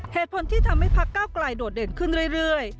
เหตุผลที่ทำให้พักเก้าไกลโดดเด่นขึ้นเรื่อย